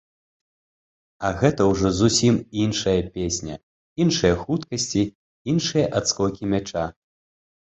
А гэта ўжо зусім іншая песня, іншыя хуткасці, іншыя адскокі мяча.